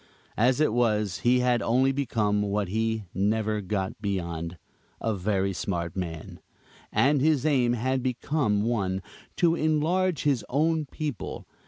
As it was, he had only become what he never got beyond "a very smart man;" and his aim had become one to enlarge his own people.